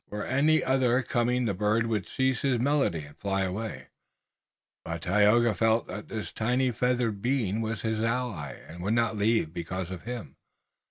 Were any other coming the bird would cease his melody and fly away, but Tayoga felt that this tiny feathered being was his ally and would not leave because of him.